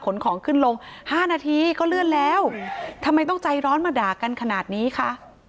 ของขึ้นลงห้านาทีก็เลื่อนแล้วทำไมต้องใจร้อนมาด่ากันขนาดนี้คะ